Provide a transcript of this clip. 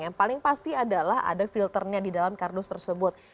yang paling pasti adalah ada filternya di dalam kardus tersebut